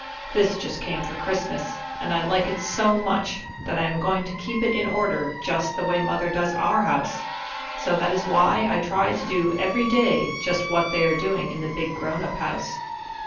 This just came for Christmas, and I like it so much that I am going to keep it in order just the way Mother does our house, so that is why I try to do every day just what they are doing in the big grown up house.